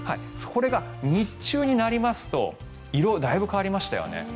これが日中になりますと色、だいぶ変わりましたよね。